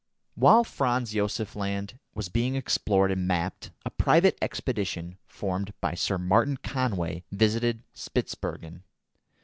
While Franz Josef Land was being explored and mapped, a private expedition formed by Sir Martin Conway visited Spitzbergen.